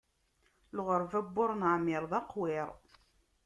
Lɣeṛba n wur neɛmiṛ, d aqwiṛ.